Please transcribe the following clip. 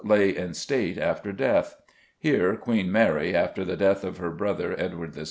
lay in state after death; here Queen Mary, after the death of her brother, Edward VI.